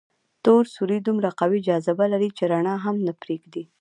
تور سوري دومره قوي جاذبه لري چې رڼا هم نه پرېږدي.